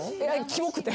キモくて。